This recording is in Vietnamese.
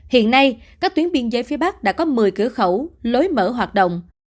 hiện nay các tuyến biên giới phía bắc đã có một mươi cửa khẩu lối mở hoạt động